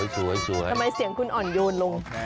สวยทำไมเสียงคุณอ่อนโยนลง